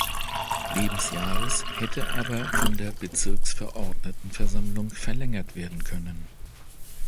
Lebensjahres, hätte aber von der Bezirksverordnetenversammlung verlängert werden können.